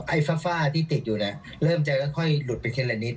ไอ้ฟ้าที่ติดอยู่นะเริ่มจะค่อยหลุดไปเคียงละนิด